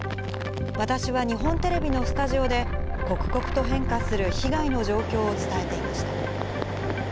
私は日本テレビのスタジオで、刻々と変化する被害の状況を伝えていました。